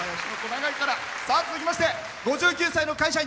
続きまして５９歳の会社員。